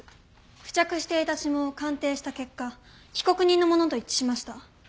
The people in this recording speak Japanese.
付着していた指紋を鑑定した結果被告人のものと一致しました。